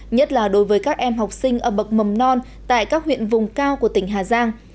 nhất là đối với các em học sinh ở bậc mầm non tại các huyện vùng cao của tỉnh hà giang